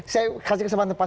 saya kasih kesempatan pasal